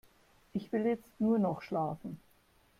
Ich will jetzt nur noch schlafen.